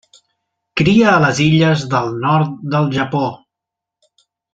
Cria a les illes del nord del Japó.